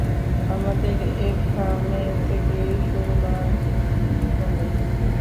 আমাদের এখানে থেকেই শুরু করা উচিত, কি বলেন?